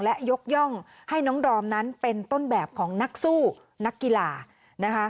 และยกย่องให้น้องดอมนั้นเป็นต้นแบบของนักสู้นักกีฬานะคะ